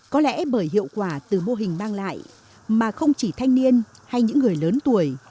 có lẽ bởi hiệu quả từ mô hình mang lại mà không chỉ thanh niên hay những người lớn tuổi